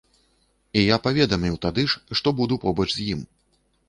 І я паведаміў тады ж, што буду побач з ім.